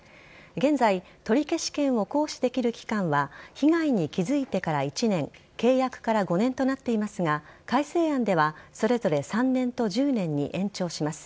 現在取り消し権を行使できる期間は被害に気付いてから１年契約から５年となっていますが改正案ではそれぞれ３年と１０年に延長します。